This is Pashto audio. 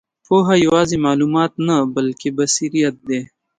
پوهه یوازې معلومات نه، بلکې بصیرت دی.